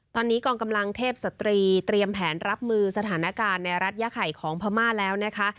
ตอนนี้กองกำลังเทพสตรีเตรียมแผนรับมือสถานการณ์ในรัฐยาไข่ของพม่าแล้วนะคะ